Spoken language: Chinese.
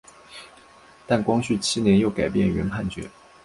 但光绪七年又改变原判决。